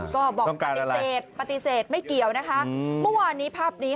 ก็บอกปฏิเสธไม่เกี่ยวนะคะมั้วอันนี้ภาพนี้ค่ะ